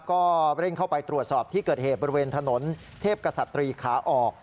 ก็เร่งเข้าไปตรวจสอบที่เกิดเหตุบริเวณถนนเทพกษัตรีขาออก